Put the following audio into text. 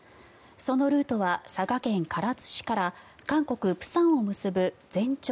そのルートは佐賀県唐津市から韓国・釜山を結ぶ全長